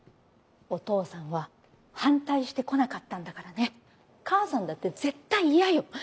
お父さんは反対して来なかったんだからね母さんだって絶対嫌よ